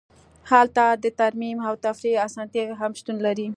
هلته د ترمیم او تفریح اسانتیاوې هم شتون لري